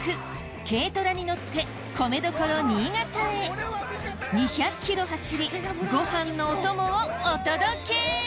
軽トラに乗って米どころ新潟へ２００ｋｍ走りご飯のお供をお届け！